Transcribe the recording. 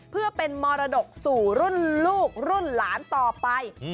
เพื่อเป็นมรดกสู่รุ่นลูกรุ่นหลานต่อไป